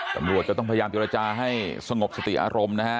ตำรวจก็ต้องพยายามเจรจาให้สงบสติอารมณ์นะฮะ